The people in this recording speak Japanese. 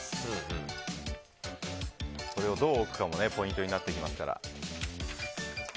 これをどう置くかもポイントになってきます。